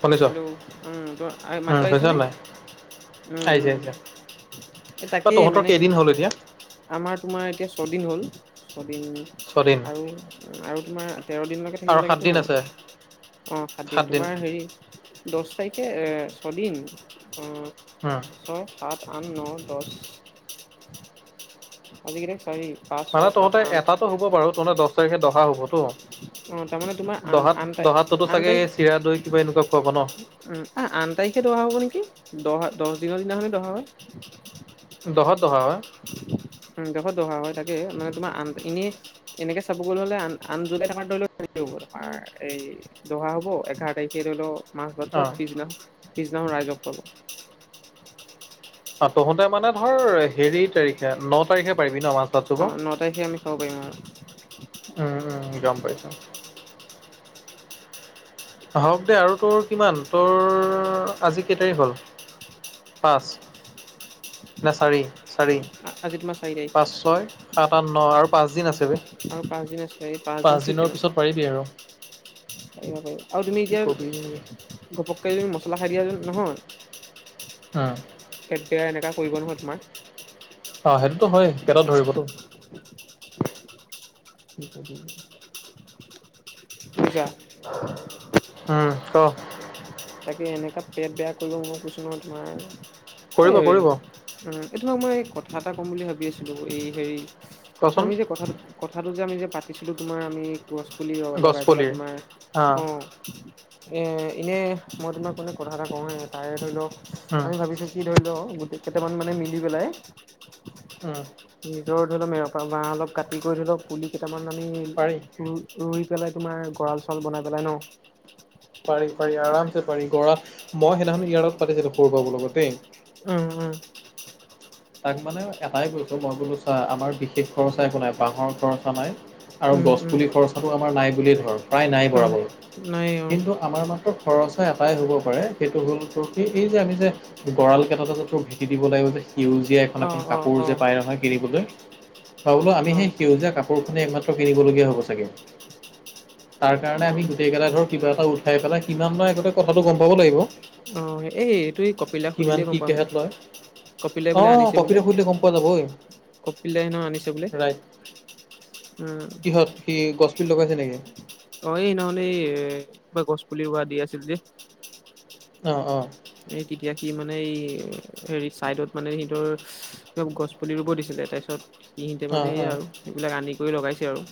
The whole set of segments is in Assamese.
শুনিছ হেল্ল' অঁ ত উম মাতো শুনিছ আহিছেনে নাই উম আহিছে উম আহিছে এই বা তাকেই তহঁতৰ মানে কেইদিন হ'ল এতিয়া আমাৰ তোমাৰ এতিয়া ছদিন হ'ল এশ দিন ছদিন আৰু আৰু তোমাৰ তেৰ দিনলৈকে আৰু থাকিব লাগেতো। সাতদিন আছে অঁ সাতদিন তোমাৰ হেৰি দহ তাৰিখে ছদিন, উম ছয় সাত আঠ ন দহ আজি কেই তাৰিখ? চাৰি পাঁচ মানে ছয় সাত তহঁতে আঠ এটাতটো হ'ব বাৰু তহঁতে দহ তাৰিখে দহা হ'বতো অ তাৰমানে তোমাৰ আন দহাত আন তাৰিখ দহাততো আন চাগে তাৰিখ চিৰা দৈ কিবা এনেকুৱা খুৱাব ন আন তাৰিখে দহা হ'ব নেকি, দহ দহ দিনৰ দিনাখন দৰা হয়। দহত দহা হয়। দহত দহা হয় তাকে, মানে তোমাৰ আন এনে এনেকে চাব গলে হলে আন আন জলাই থ ধৰি ল আমাৰ এই দহা হ'ব এঘাৰ তাৰিখে ধৰি লওক মাছ অ ভাতছোৱা পিছদিনা পিছদিনাখন ৰাইজক খোৱাব। অঁ তহঁতে মানে ধৰ হেৰি তাৰিখে ন তাৰিখে পাৰিবি ন মাজ অঁ ন তাৰিখে আমি খাব পাৰিম উম আৰু উম গম পাইছো হওক দে আৰু তোৰ কিমান তোৰ আজি কেই তাৰিখ হ'ল? পাঁচ ন চাৰি চাৰি আজিত ম পাঁচ ছয় সাত আঠ ন আৰু পাঁচ দিন আছে ব আৰু পাঁচদিন আছে এই পাঁচদিন শিক নাই পিছত পাৰিবি আৰু পাৰিব পাৰিব আৰু তুমি কি এতিয়া কবি ঘপককৈ তুমি মছলা খাই দিয়া যে নহয় অঁ সেইতিয়া এনেককা কৰিব নহয় তোমাৰ অঁ সেইটোতো হয় কেইটা ধৰিবতো স বুজিছা উম ক তাকে এনেককা পেট বেয়া কৰিব মই কৈছোঁ নহয় তোমাৰ কৰিব হয় কৰিব এইটোমাক মই কথা এটা ক'ম বুলি ভাবি আছিলো এই হেৰি কচোন আমি যে কথাটো কথাটো যে আমি যে পাতিছিলো তোমাৰ আমি গছ পুলি লগাই পেলাই গছপুলিৰ তোমাৰ অ অঁ এনেই মই তোমাক মোনে কথা এটা কওঁয়ে তাৰে ধৰি লওক উম আমি ভাবিছো কি ধৰি লওক গোটেই কেইটামান মানে মিলি পেলাই উম ধৰি লওক এৰপা বাহহ অলপ কাটি কৰি ধৰি লওক পুলি কেইটামান আমি পাৰি চ ৰুই পেলাই তোমাৰ গঁৰাল চাউল বনাই পেলাই ন পাৰি পাৰি আৰামছে পাৰি গৰা মই সেইদিনাখন ইয়াৰত পাতিছিলো সোৰ পাব লগত দেই উম উম তাক মানে এটাই কৈছো মই বোলো চা আমাৰ বিশেষ খৰচা একো নাই বাঁহৰ খৰচা নাই আৰু উম গছ উম পুলি খৰচাটো আমাৰ নাই বুলিয়েই ধৰক প্ৰায় নাই উম বৰাবৰ নাই অ কিন্তু আমাৰ মাত্ৰ খৰচ এটাই হ'ব পাৰে সেইটো হ'ল তোৰ সেই এই যে আমি যে গঁৰাল কেইটাতে যে তোৰ ভেটি দিব লাগিব যে সেউজীয়া এখন অ এখন অ কাপোৰ অ যে পাই নহয় কিনিবলৈ ভই বোলো আমি অ সেই সেউজীয়া কাপোৰখনেি এক- হ তাৰ কাৰণে আমি উম গোটেইাই ধৰ কিবা এটা- খাই পেলাই কিমান মই আগতে কথাটো গম পাব লাগিব। অ এইটো কপিলাক কিমান সুধিলেই কি গম পাম। কেহেত লয় কপিলাই বোলে অ' আনিছে বোলে কপিতক সুধিলে গম পোৱা যাব ঐ কপিললাই হেনো আনিছে বোলে- ৰাইট। উম। কিহত সি গছপুলি লগাইছে নেকি? অ সেইদিনাসনি এ কিবা গছ পুলি ৰোৱা দি আছিল যে। অ অ এই তেতিয়া কি মানে এই হেৰি চাইদত মানে সিহঁৰ গছ পুলি ৰুব দিছিলে। তাইছত কিহিতে অ' মানে সয়া অ'। আৰু সেইবিলাক আনি কৰি লগাইছে আৰু।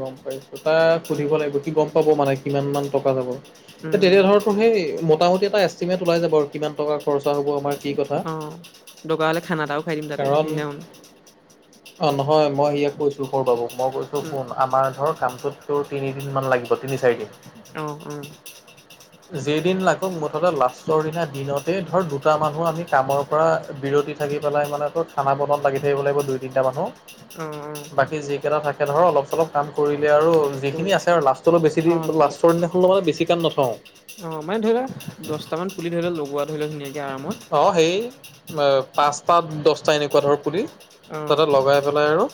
গম পাইছো তাক সুধিব লাগিব কি গম পাব মানে কিমান মান টকা যাব। তেতিয়া উম ধৰো সেই মোটামুটি এটা এষ্টিমেট ওলাই যাব আৰু কিমান টকা খৰচা হব আমাৰ। কি কথা। অ দকাৰ হলে খানা এটাও খাই দিম তাতে কাৰণ সিদিখনখন। অ নহয় মই ইয়াক কৈছো সৰু বাবুক মই কৈছো উম শুন আমাৰ ধৰ কাম তোৰ তিনিদিন মান লাগিব তিনি চাৰি দিন। অহ উম। যেইদিন লাগক মুঠতে লাষ্টৰ দিনা দিনতে ধৰ দুটা মানুহ আমি কামৰ পৰা বিৰ থাকি পেলাই মানে ত খানা বনত লাগি থাকিব লাগিব দুই তিনিটা মানুহ। উম উম। কেইটা থাকে ধৰ অলপ চলপ কাম কৰি আৰু কৰি যিখিনি আছে আৰু লাষ্টপ বেছি অ লাষ্টৰ দিনাখন মানে বেছি কাম নথওঁ। অ মানে ধৰি লোৱা দহটামান পুলি ধৰি লোৱা লগোৱা ধৰি লোৱা ধুনীয়াকে আৰামত। অ সেই পাঁচটা দছটা এনেকুৱা ধৰ পুলি। অ তাতে লগাই পেলাই আৰু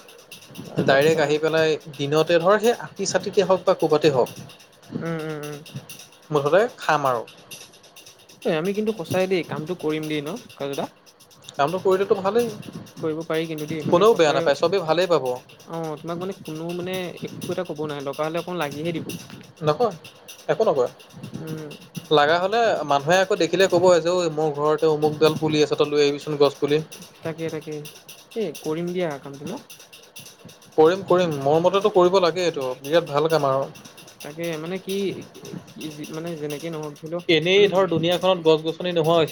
আৰামত ডাইৰেক্ট মানে আহি পেলাই দিনত তে ধৰ সেই আকি চাতিতে হওক বা ক'ৰবতেই হওক উম উম উম। মুঠতে খাম আৰু। এই আমি কিন্তু সঁচাই দেই কামটো কৰিম দেই ন কতা কামটো কৰিলেতো ভালেই। কৰিব পাৰি কিন্তু দেই মানে কোনেও বেয়া সঁচাই অ নাপায় চবেই ভালেই পাব তোমাক মানে কোনো মানে একো এটা ক'ব নোৱাৰে দৰকাৰ হলে অকণ লাগিহে দিব। নকয় একো নকয়। উম। মানে মানুহে আকৌ দেখিলে ক'ব এ যে ঐ মোৰ ঘৰতে অমুকডাল পুলি আছে ত লৈ আহিবিচোন গছ পুলি। তাকে তাকে এ কৰিম দিয়া। এ কামটো ন। কৰিম কৰিম মোৰ মতেতটো কৰিব লাগে এইটো বিৰাট ভাল কাম আৰু। তাকে মানে কি মানে যেনেকে নহওক চও আমি। আপ নহয়।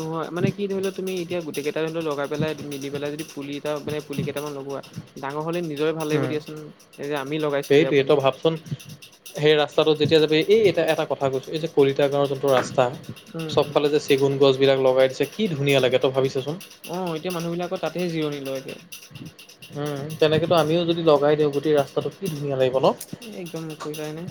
নহয় মানে কি ধৰিলও তুমি এতিয়া গোটেই কেইটা ধৰি লও লগাই পেলাই মিলি পেলাই যদি পুলি। মানে পুলি, কেইটামান লগোৱা আৰু ডাঙৰ হলে নিজ নিজৰে ভাল লাগিব উম দিয়াচোন এই যে আমি লগাইছিলো সেইটোৱে তই আপুনি- ভাবচোন সেই ৰাস্তাটোত যেতিয়া যাবি এই এটা এটা কথা কৈছো এই যে কলিতা গাঁৱৰ যোনটো ৰাস্তা- উম উম চবফালে যে চেগুন গছ বিলাক লগাই দিছে কি ধুনীয়া লাগে তই ভাবিছাচোন। অ এতিয়া মানুহ বিলাকৰ তাতেহ জিৰণি লয়গে। উম তেনেকেতো আমিও যদি লগাই দিওঁ গোটেই ৰাস্তাটো কি ধুনীয়া লাগিব ন। একদম কৈ কাই নাই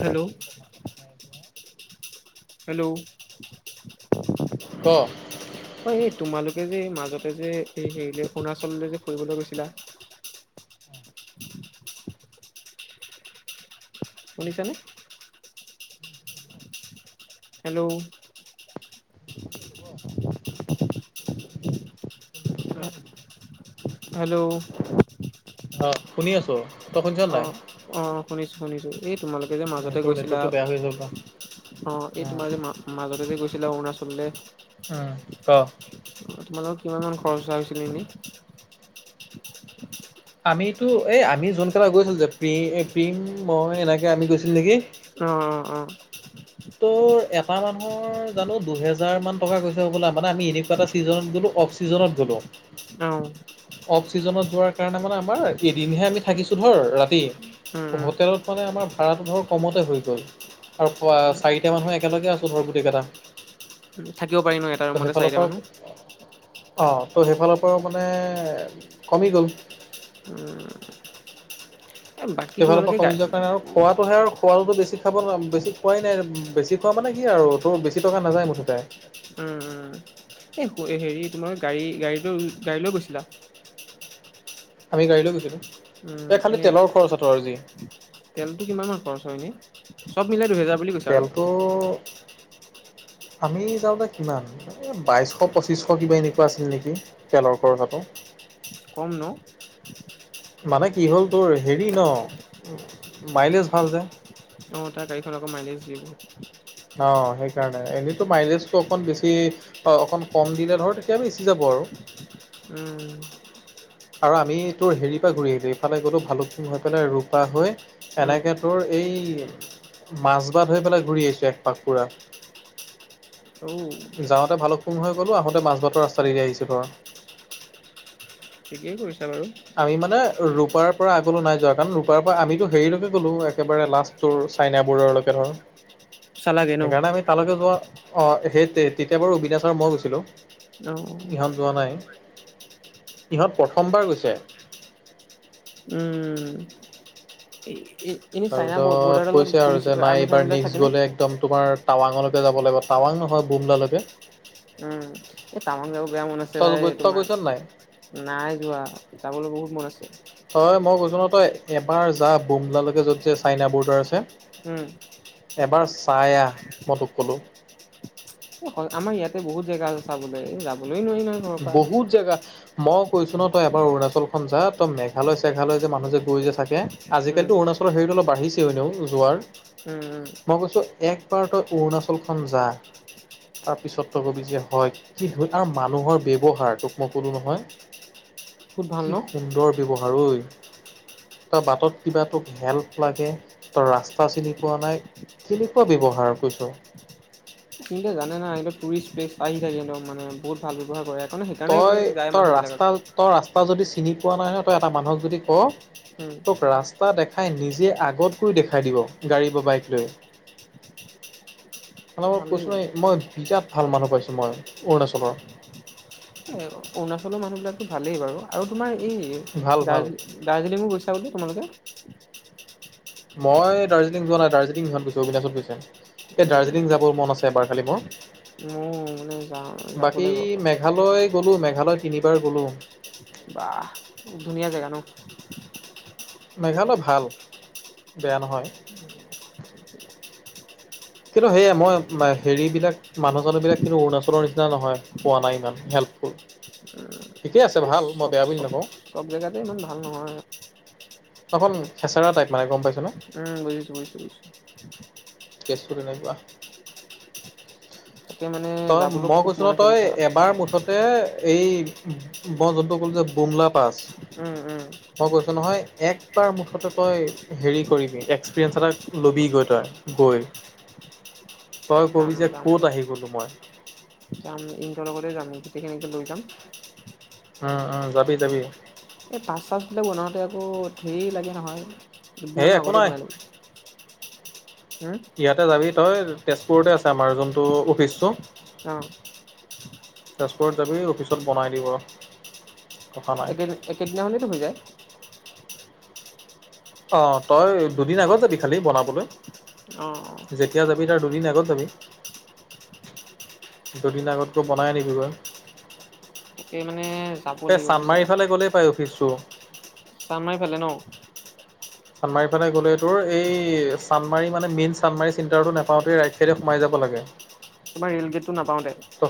হেল্ল' হেল্ল' ক। হয় এই তোমালোকে যে মাজতে যে এই হেৰিলৈ অৰুণাচললৈ যে ফুৰিবলৈ গৈছিলা- শুনিছানে? হেল্ল'। থাকিব। হেল্ল' অ শুনি আছো। তই শুনিছ অ, নাই? অ শুনিছো শুনিছো এই তোমালোকে যে উম, মাজতে তোৰ গৈছিলা। নেটৱৰ্কটো বেয়া হৈ আছে হবলা। অ এই উম তোমাৰ যে মা-মাজতে যে গৈছিলা অৰুণাচললে। অহ। তোমালোকৰ কিমান মান খৰচা হৈছিল এনেই। আমিতো এই আমি যোনকেইটা গৈছিলো যে প্ৰিম, প্ৰিম মই এনেকে আমি গৈছিল নেকি। অঁ, অঁ, অঁ। ত' এটা মানুহৰ জানো দুহেজাৰ মান টকা কৈছে হ'বলা মানে আমি এনেকুৱা এটা চিজনত গলো। অফচিজনত গ'লোঁ। অ'হ। অফ চিজনত যোৱাৰ কাৰণে মানে আমাৰ এদিনহে আমি থাকিছো ধৰ ৰাতি। উম উম হোটেলত মানে আমাৰ ভাড়াটো ধৰ কমতে হৈ গ'ল আৰু পা। চাৰিটা মানুহ একেলগে আছো ধৰ গোটেই কেইটা। থাকিব পাৰিম ন এটা ৰুমতে চাৰিটা মানুহ। অ ত' সেইফালৰ পৰা মানে কমি গ'ল। উম [unintelligible] এ বাকী সেইফালৰ পৰা তোমালোকে গা কমি যোৱাৰ কাৰণে আৰু খোৱাতটোহে আৰু খোৱাটোতো বেছি। খাব বেছি খোৱাই নাই বেছি খোৱা মানে কি আৰু তোৰ বেছি টকা নাযায় মুঠতে। উম এই হেৰি তোমাৰ গাড়ী গাড়ী লৈ গাড়ী লৈ গৈছিলা। আমি গাড়ী লৈ গৈছিলো। উম এনে তেলটো কিমান মান খৰচ হয় এনেই চব মিলাই। দুহেজাৰ বুলি কৈছে আৰু তেলটো আমি যাওঁতে কিমান বাইশ পঁচিশ কিবা এনেকুৱা আছিল নেকি তেলৰ খৰচাতো [unintelligible] কম ন। মানে কি হ'ল তোৰ হেৰি ন মাইলেজ ভাল যে। অ তাৰ গাড়ীখন অকৌ মাইলেজ দিয়ে বহুত অ সেইকাৰণে এনেইতো মাইলেজটো অকণ বেছি অকণ কম দিলে ধৰ তেতিয়া বেচি যাব আৰু। [unintelligible] উম। আৰু আমি তোৰ হেৰিৰ পৰা ঘূৰি আহিলো এইফালে গলো ভালুকপুং হৈ পেলাই ৰূপা হৈ। উম, এনেকে তোৰ এই। মাজবাত হৈ পেলাই ঘূৰি আহিছো এক পাক পুৰা। অ' যাওঁতে ভালুকপুং হৈ গ'লোঁ আহোঁতে মাজ বাতৰ ৰাস্তা এৰি আহিছোঁ ধৰ। [unintelligible] ঠিকেই কৰিছা বাৰু। আমি মানে ৰূপাৰ পৰা আগলৈ নাই যোৱা কাৰণ ৰূপাৰ পৰা আমিতো হেৰিলৈকে গ'লো একেবাৰে লাষ্টৰ চাইনা বৰ্ডাৰলৈকে ধৰ। চালাগে ন? সেইকাৰণে আমি তালৈকে যোৱা আহ সেই তেতিয়া বাৰু অবিনাশ আৰু মই গৈছিলো। অ। ইহঁত যোৱা নাই ইহঁত প্ৰথমবাৰ গৈছে। উম। এনে চাইনা তাৰপিছত বৰ্ডাৰডালত কৈছে আৰু পুলিচ যে নাই আৰ্মি এইবাৰ চাৰ্মিবিলাক নেক্স থাকেনে? গলে একদম তোমাৰ। টাৱাঙলৈকে যাব লাগিব টাৱাং নহয় বুমলালৈকে। এ তাৱাং যাব বেয়া মন আছে তই ভাই গৈ তই তোমাক। গৈছ নাই? নাই যোৱা যাবলৈ বহুত মন আছে। জনতই এবাৰ যা বুমলালৈকে য'ত যে চাইনা বৰ্ডাৰ আছে। উ'ম। এবাৰ চাই আহ মই তোক কলো। অ হয় আমাৰ ইয়াতে বহুত জেগা আছে চাবলৈ যাব। বহুত জেগা মই কৈছো ন তই এবাৰ অৰুণাচলখন যা তই মেঘালয় চেঘালয় যে মানুহ যে গৈ যে থাকে। উম, আজিকালিতো অৰুণাচৰ হেৰিটো বাঢ়িছে এনেও যোৱাৰ। উম উম। মই কৈছো একবাৰ তই অৰুণাচলখন যা। তাৰ পিছত ত কবি যে হয় কি ধৰি আৰু মানুহৰ ব্যৱহাৰ তোক মই কলো নহয়। খুব ভাল ন পাৰই তই বাটত কিবা তোক হেল্প লাগে তই ৰাস্তা চিনি পোৱা নাই। কেনেকুৱা ব্যৱহাৰ কৈছ। কিন্তু জানে না এ টুইষ্টপেচ আহি থাকে ন একদম মানে বহুত ভাল ব্যৱহাৰ কৰে। সেইকাৰণে সেইকাৰণে তই এইবিলাক যায় তই মানুহবিলাক ৰাস্তা আকৌ। তই ৰাস্তা যদি চিনি পোৱা নাই নহয় তই এটা মানুহক যদি। ক তোক ৰাস্তা দে- খাই নিজে আগতকৈ দেখাই দিব গাড়ী বা বাইক লৈ ম কৈছো ভালেই ন মই বিৰাট ভাল মানুহ পাইছোঁ মই অৰুণাচলৰ- এ অৰুণাচলৰ মানুহ বিলাকো ভালেই বাৰু আৰু তোমাৰ- এই ভাল ভাল দাৰ্জ দাৰ্জিলিঙো গৈছা বোলে তোমালোকে মই দাৰ্জিলিং যোৱা নাই দাৰ্জিলিং ইহত গৈছে অবিনাশহত গৈছে এই দাৰ্জিলিং যাবৰ মন আছে এবাৰ খালি। মোৰ মো- বাকী মেঘালয় গলো মেঘালয় তিনিবাৰ গলো- বাহ ধুনীয়া জেগা ন মেঘালয় ভাল বেয়া নহয়। কিন্তু সেয়াই মই হেৰি বিলাক মানুহ জানুহ বিলাক কিন্তু অৰুণাচলৰ নিচিনা নহয় পোৱা নাই ইমান হেল্প। [unintelligible] ঠিকে আছে এই ভাল মই চব বেয়া বুলি চব নকওঁ। চব জেগাতে ইমান ভাল নহয়। অকন খেচেৰা টাইপ মানে গম পাইছ নে? উম বুজিছো বুজিছো বুজিছো। কেচটো তেনেকুৱা। তাকে মানে তই যাবলৈ মই খুব কৈছো মন ন আছে তই বুজিছা এবাৰ মুঠতে। এই মই যোনটো কলো যে বুমলা পাছ উম উম মই কৈছোঁ নহয়। একবাৰ মুঠতে তই হেৰি কৰিবি এক্সপিৰিয়েঞ্চ এটা লবিগৈ তই গৈ। [unintelligible] যাম যে যাম ক'ত আহি গ'লো মই যাম ইহতৰ লগতে যাম গোটেইখিনি লৈ যাম। উম উম যাবি যাবি। এই পাচ চাছবিলাক বনাওঁতে আকৌ ধেৰ লাগে নহয় হেই দুদিনমানৰ একো আগতেই নাই বনাই লম। ওম। ইয়াতে যাবি তই তেজপুৰতে আছা আমাৰ যোনটো অফিচটো। অ তেজপুৰত যাবি অফিচত বনাই দিব। কথা নাই একেদিন একেদিনা খনেতো হৈ যায়। অ তই দুদিন আগত যাবি খালি বনাবলৈ। অ অ যেতিয়া যাবি তাৰ দুদিন আগত যাবি। দুদিন আগত গৈ বনাই আনিবি গৈ। তাকে মানে যাব এই লাগিব বুজিছা চান্দমাৰি ফালে গ'লেই পাই অফিচটো। চানমাৰি ফালে ন। চান্মাৰীৰ ফালে গ'লে এইটোৰ এই চান্মাৰী মানে মেইন চানমাৰ চন্তাটো নাপাওঁতে ৰাইট চাইডে সোমাই যাব ব লাগে। তোমাৰ ৰেল গেটটো নাপাওঁতে ত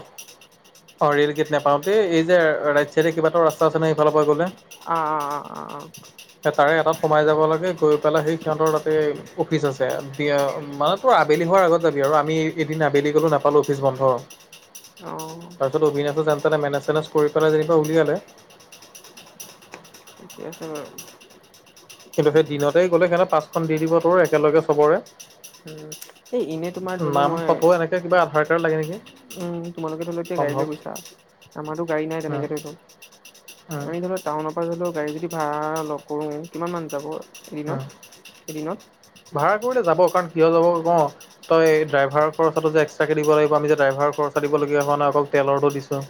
অ ৰেল গেট নাপাও দ এই যে ৰাইট চাইডে কিবাটা ৰাস্তা আছে নে সেইফালৰ পৰা গ'লে অ অ অ অ অ। তাৰে এটাত সোমাই যাব লাগে গৈ পেলাই সেই সিহঁতৰ তাতে অফিচ আছে মানে তোৰ আবেলি হয়। আগত যাবি আৰু আমি এদিন আবেলি গলো নাপালো অফিচ বন্ধ। অ তাৰপিছত অবিনাশে যেন তেনে মেনেজ চেনেজ কৰি পেলাই যেনিবা উলিয়ালে। ঠিকে আছে বাৰু কিন্তু সেই দিনতেই গ'লে সেনেকে পাঁচখন দি দিব তোৰ একেলগে চবৰে উ এই এনে তোমাৰ ধৰি লও মই। লাগেকি [unintelligible] উম তোমালোকে ধৰি লও এতিয়া গাড়ী লৈ গৈছা আমাৰতো গাড়ী নাই উম তেনেকে ধৰি ল। উম। আমি ধৰি লও টাউনৰ পৰা ধৰিও গাড়ী যদি ভাঢ়া লওঁ। কৰোঁ কিমান মান যাব অ, এদিনত এদিনত। ভাড়া যাব কাৰণ কিয় যাব কও তই ড্ৰাইভাৰৰ খৰচাটো যে এক্সট্ৰা কে দিব লাগিব আমি যে ড্ৰাইভাৰৰ খৰচা দিব লাগিব। আক তেলৰো দিছো।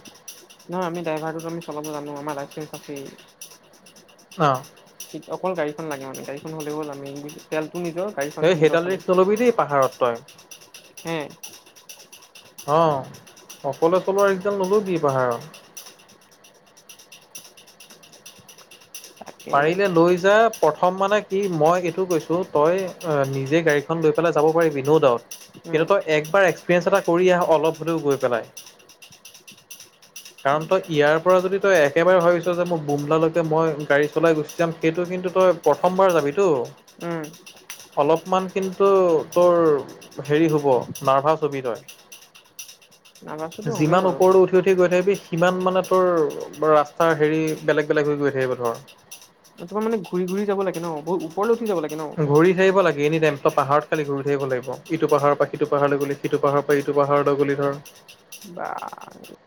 নহয় আমি ড্ৰাইভাৰটোতো আমি চলাব জানো আমাৰ লাইচে আছে। অ। অকল গাড়ীখন লাগে মানে গাড়ীখন হ'লে তেলটো নিজৰ গাড়ীখন সিহতৰ খালি। হয়। এ অ অকলে চলোৱা ৰিক্স ডাল নলবি পাহাৰত। [unintelligible] তাকে পাৰিলে লৈ যা প্ৰথম মানে কি মই এইটো কৈছো তই নিজে গাড়ীখন লৈ পেল যাব পাৰিবি নৌ দাউত কিন্তু উম তই একবাৰ এক্সপেৰিয়েন্স এটা কৰি আহ অলপ হলেও গৈ পেলাই [unintelligible] কাৰণ তই ইয়াৰ পৰা যদি তই একেবাৰে ভাবিছ যে মোৰ বুমলালৈকে মই গাড়ী চলাই গুচি যাম সেইটো কিন্তু তই প্ৰথমবাৰ যাবি তো উম অলপমান কিন্তু তোৰ হেৰি হ'ব নাৰ্ভাছ হবি তই নাগাচোতো হ'মেই যিমান বাৰু ওপৰত উঠি উঠি গৈ থাকিবি সিমান মানে তোৰ ৰাস্তাৰ হেৰি বেলেগ বেলেগ হৈ গৈ থাকিব ধৰ তোৰ মানে ঘূৰি ঘূৰি যাব লাগে ন বহুত ওপৰলৈ উঠি যাব লাগে ন ঘূৰি থাকিব লাগে এনি টাইম ত পাহাৰত খালি ঘূৰি থাকিব লাগিব ইটো পাহাৰৰ পৰা সিটো পাহাৰলৈ গলি সিটো পাহাৰৰ পৰা ইটো পাহাৰলৈ গলি ধৰ বাহ